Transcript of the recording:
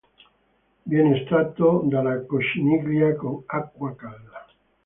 Viene estratto dalla cocciniglia con acqua calda.